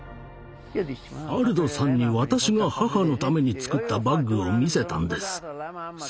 アルドさんに私が母のためにつくったバッグを見せたんです。